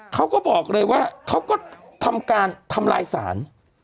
เขาก็บอกเลยว่าเขาก็ทำการทำลายสาร